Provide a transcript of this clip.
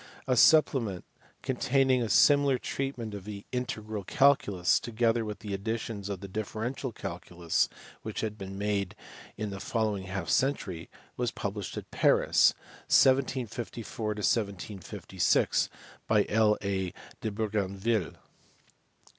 A supplement, containing a similar treatment of the integral calculus, together with additions to the differential calculus which had been made in the following half century, was published at Paris, 1754 6, by L. A. de Bougainville.